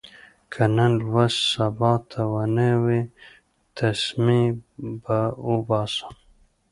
که نن لوست سبا ته ونه وي، تسمې به اوباسم.